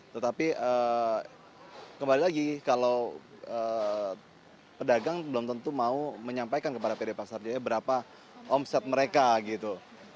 tetapi kembali lagi kalau pedagang belum tentu mau menyampaikan kepada pd pasar jaya berapa omset mereka gitu